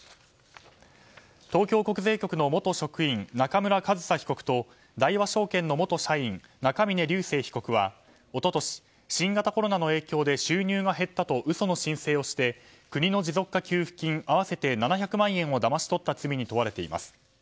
東京国税局の元職員中村上総被告と大和証券の元社員中峯竜晟被告は一昨年、新型コロナの影響で収入が減ったと嘘の申請をして国の持続化給付金合わせて７００万円をだまし取った罪に問われています。